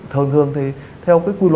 thường thường thì theo cái quy luật là